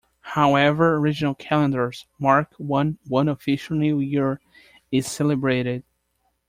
However, regional calendars mark one one official new year is celebrated.